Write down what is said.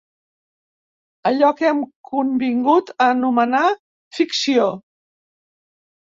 Allò que hem convingut a anomenar ficció.